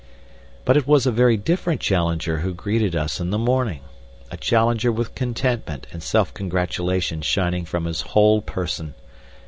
But it was a very different Challenger who greeted us in the morning a Challenger with contentment and self congratulation shining from his whole person.